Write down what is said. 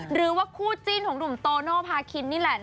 หรือว่าคู่จิ้นของหนุ่มโตเนาพาร์กิลละ